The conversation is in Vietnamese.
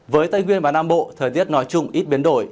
với tây nguyên và nam bộ thời tiết nói chung ít biến đổi